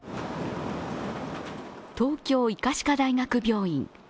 東京医科歯科大学病院。